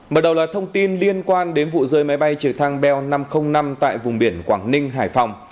mở đầu là thông tin liên quan đến vụ rơi máy bay trực thăng bell năm trăm linh năm tại vùng biển quảng ninh hải phòng